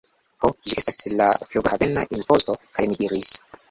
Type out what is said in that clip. Ho, ĝi estas la... flughavena imposto. kaj mi diris: